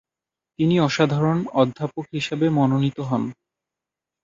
তিনি অসাধারণ অধ্যাপক হিসাবে মনোনীত হন।